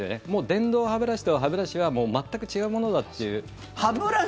電動歯ブラシと歯ブラシは全く違うものだっていう。